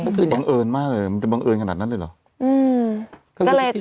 บังเอิญบังเอิญมากเลยมันจะบังเอิญขนาดนั้นเลยเหรอ